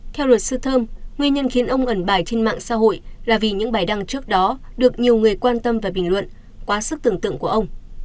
theo luật sư thơm nguyên nhân khiến ông ẩn bài trên mạng xã hội là vì những bài đăng trước đó được nhiều người quan tâm và bình luận quá sức tưởng tượng của ông